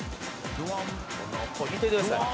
「見てください。